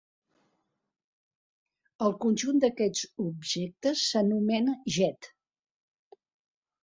El conjunt d'aquests objectes s'anomena jet.